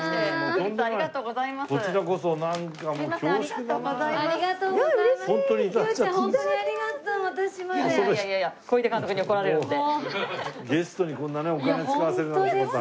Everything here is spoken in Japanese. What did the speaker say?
ありがとうございます頂きます。